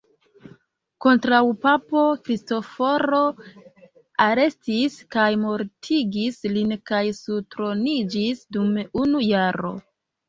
Kontraŭpapo Kristoforo arestis kaj mortigis lin kaj surtroniĝis dum unu jaro.